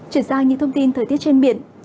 chuyển sang những thông tin thời tiết trên biển